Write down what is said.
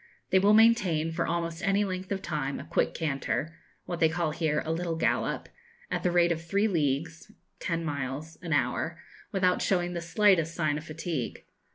They will maintain, for almost any length of time, a quick canter what they call here 'a little gallop' at the rate of three leagues (ten miles) an hour, without showing the slightest sign of fatigue.